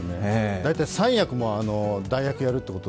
大体３役も代役やるってこと。